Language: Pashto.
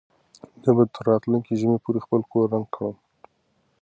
زه به تر راتلونکي ژمي پورې خپل کور رنګ کړم.